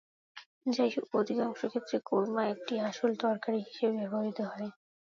যাইহোক, অধিকাংশ ক্ষেত্রে কোরমা একটি "আসল" তরকারি হিসাবে বিবেচিত হয় না।